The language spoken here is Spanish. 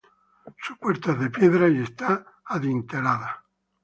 Su puerta es de piedra y está adintelada.